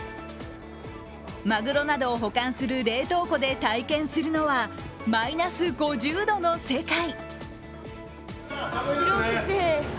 マグロなどを保管する冷凍庫で体験するのはマイナス５０度の世界。